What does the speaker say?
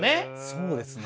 そうですね。